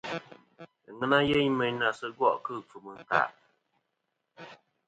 Aŋena yeyn mɨ na sɨ gòˈ kɨ ɨkfɨm ɨ ɨ̀nkàˈ.